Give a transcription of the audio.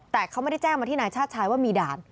แต่เขาไม่ได้แจ้งมาที่นายชาติชายว่ามีด่าน